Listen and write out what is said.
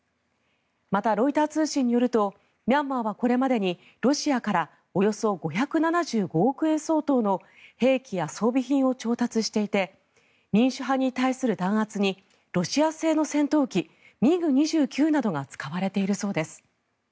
また、ロイター通信によるとミャンマーはこれまでにロシアからおよそ５７５億円相当の兵器や装備品を調達していて民主派に対する弾圧にロシア製の戦闘機ＭｉＧ２９などが使われているそうです。